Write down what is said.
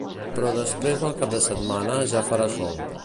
però després del cap de setmana ja farà sol